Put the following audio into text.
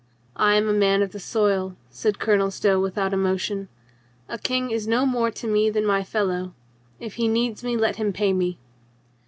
"I am a man of the soil," said Colonel Stow with out emotion. "A king is no more to me than my fel low. If he needs me, let him pay me."